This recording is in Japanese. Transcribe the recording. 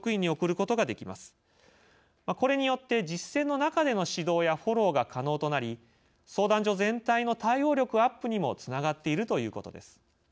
これによって実践の中での指導やフォローが可能となり相談所全体の対応力アップにもつながっているということです。